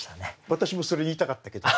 私もそれ言いたかったけど。